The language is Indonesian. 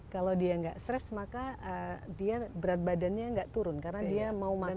kalau dia nggak stres maka dia berat badannya nggak turun karena dia mau makan